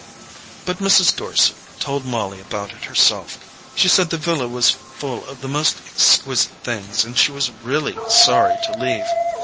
But Mrs. Dorset told Molly about it herself: she said the villa was full of the most exquisite things and she was really sorry to leave.